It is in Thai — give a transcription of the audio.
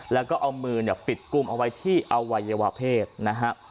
แล้วก็เอามือเนี่ยปิดกุมเอาไว้ที่อวัยวะเพศนะฮะ